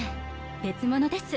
別物です。